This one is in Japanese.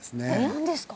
何ですか？